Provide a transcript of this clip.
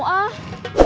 gak mau ah